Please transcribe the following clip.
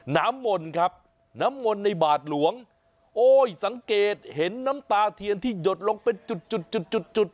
น้ำมนต์ครับน้ำมนต์ในบาทหลวงโอ้ยสังเกตเห็นน้ำตาเทียนที่หยดลงเป็นจุดจุดจุดจุดจุด